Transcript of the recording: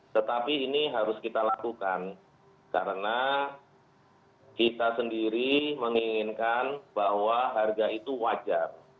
tetapi ini harus kita lakukan karena kita sendiri menginginkan bahwa harga itu wajar